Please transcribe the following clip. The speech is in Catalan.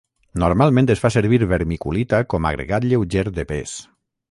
Normalment es fa servir vermiculita com agregat lleuger de pes.